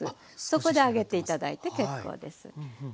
そこで上げて頂いて結構です。